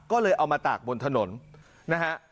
ก็เลยเอามาตากบนถนนนะฮะ